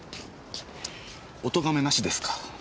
おとがめなしですか。